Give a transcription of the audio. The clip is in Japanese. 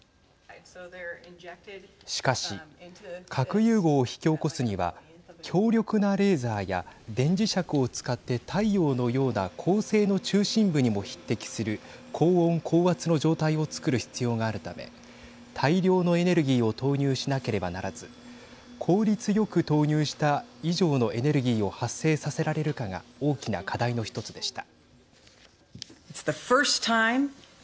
しかし、核融合を引き起こすには強力なレーザーや電磁石を使って太陽のような恒星の中心部にも匹敵する高温、高圧の状態をつくる必要があるため大量のエネルギーを投入しなければならず効率よく投入した以上のエネルギーを発生させられるかが大きな課題の１つでした。